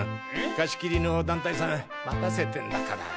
貸し切りの団体さん待たせてんだから。